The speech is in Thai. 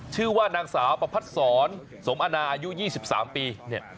ชื่อว่านางสาวประพัดศรสมอนาอายุ๒๓ปีเนี่ย